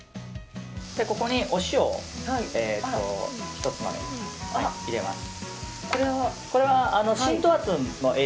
ここにお塩ひとつまみ入れます。